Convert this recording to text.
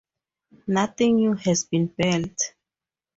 Nothing new has been built.